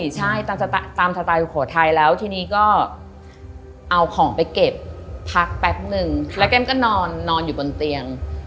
ใช่ตามสไตลสุโขทัยแล้วทีนี้ก็เอาของไปเก็บพักแป๊บนึงแล้วแก้มก็นอนอยู่บนเตียง